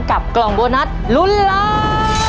กล่องโบนัสลุ้นล้าน